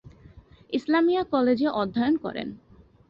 ইসলামিয়া কলেজে অধ্যয়ন করেন।